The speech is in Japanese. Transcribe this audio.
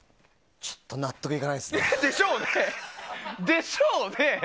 ちょっと納得いかないですね。でしょうね！